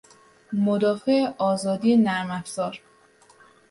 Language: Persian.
مدافع آزادی نرمافزار